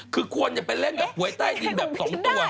คือคนไปเล่นกับหวยใต้ดินแบบ๒ตัว